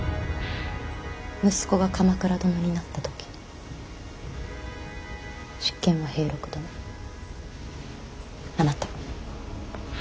息子が鎌倉殿になった時執権は平六殿あなた。